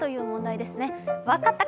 分かった方。